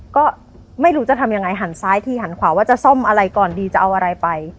ก็ไม่รู้จะทำยังไงหันซ้ายทีหันขวาว่าจะซ่อมอะไรก่อนดีจะเอาอะไรไป